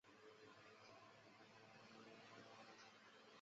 属北巴西郡。